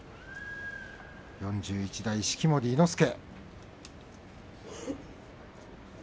４１代式守伊之助。